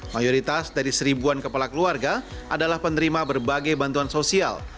mayoritas dari seribuan kepala keluarga adalah penerima berbagai bantuan sosial